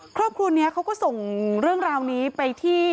ครอบครัวนี้เขาก็ส่งเรื่องราวนี้ไปที่